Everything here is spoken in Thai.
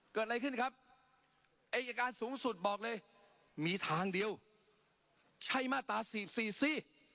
เกิดอะไรขึ้นครับอายการสูงสุดบอกเลยมีทางเดียวใช้มาตรา๔๔สิ